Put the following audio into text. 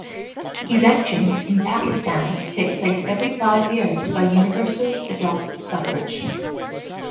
Elections in Pakistan take place every five years by universal adult suffrage.